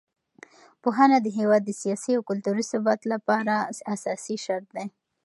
پوهنه د هېواد د سیاسي او کلتوري ثبات لپاره اساسي شرط دی.